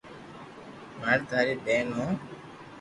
ھون ٽاري ٻين ھون